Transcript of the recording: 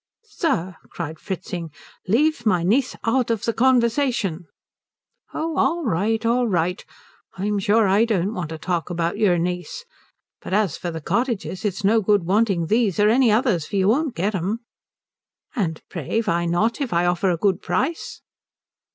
"Sir," cried Fritzing, "leave my niece out of the conversation." "Oh all right all right. I'm sure I don't want to talk about your niece. But as for the cottages, it's no good wanting those or any others, for you won't get 'em." "And pray why not, if I offer a good price?"